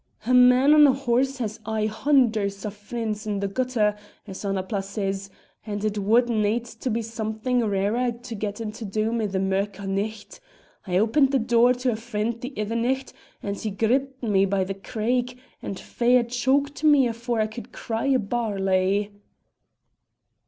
"A man on a horse has aye hunders o' frien's in the gutter, as Annapla says, and it wad need to be somethin' rarer to get into Doom i' the mirk o' nicht. I opened the door to a frien' the ither nicht and he gripped me by the craig and fair choked me afore I could cry a barley."